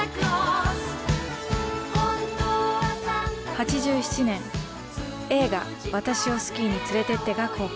８７年映画「私をスキーに連れてって」が公開。